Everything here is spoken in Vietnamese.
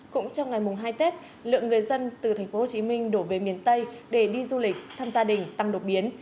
cũng trong ngày mùng hai tết lượng người dân từ tp hcm đổ về miền tây để đi du lịch thăm gia đình tăng đột biến